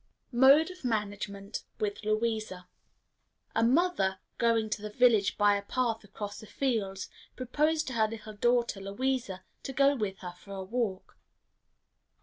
Mode of Management with Louisa. A mother, going to the village by a path across the fields, proposed to her little daughter Louisa to go with her for a walk.